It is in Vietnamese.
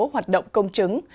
hoạt động công chứng